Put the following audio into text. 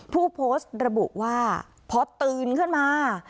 ผู้โพสต์ระบุว่าพอตื่นขึ้นมา